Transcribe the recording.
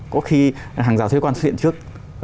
có khi hàng rào thuế quan xuất hiện trước